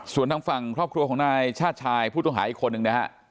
ส่วนทางฝั่งครอบครัวของนายชาติชายผู้ต้องหาอีกคนนึงนะฮะ